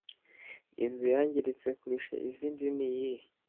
inzu yangiritse kurusha izindi niyihe